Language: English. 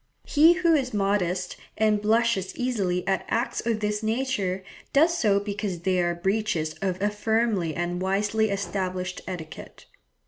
He who is modest, and blushes easily at acts of this nature, does so because they are breaches of a firmly and wisely established etiquette.